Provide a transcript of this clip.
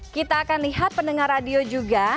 kita akan lihat pendengar radio juga